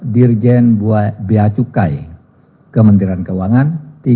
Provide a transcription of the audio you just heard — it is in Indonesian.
dua dirjen biacukai kementerian keuangan